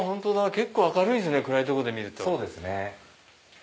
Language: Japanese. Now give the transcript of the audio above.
結構明るいですね暗い所で見ると。